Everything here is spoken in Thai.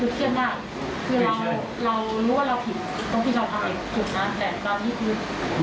ก่อนที่คุณคิดจะทำอะไรออกไป